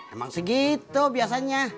emang segitu biasanya